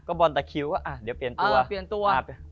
ก็บอลแต่คิวเดี๋ยวเปลี่ยนตัว